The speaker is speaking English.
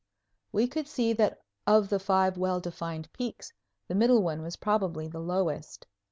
We could see that of the five well defined peaks the middle one was probably the lowest.